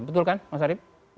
betul kan mas arief